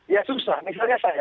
ya susah misalnya saya